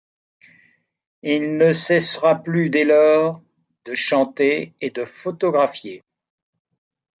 Il ne cessera plus dès lors de chanter et de photographier.